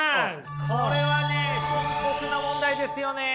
これはね深刻な問題ですよね。